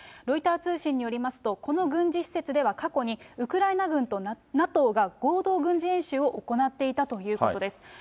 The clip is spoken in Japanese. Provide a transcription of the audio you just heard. ロイター通信によりますと、この軍事施設では、過去にウクライナ軍とＮＡＴＯが合同軍事演習を行っていたということです。